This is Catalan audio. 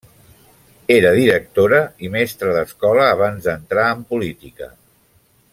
Era directora i mestra d'escola abans d'entrar en política.